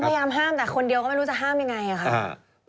คุณพยายามห้ามแต่คนเดียวก็ไม่รู้จะห้ามอย่างไร